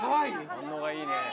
反応がいいね。